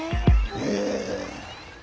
へえ。